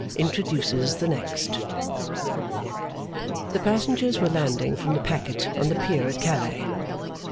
Introduces the next The passengers were landing from the packet on the pier at Calais.